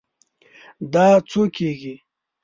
دا څو کیږي؟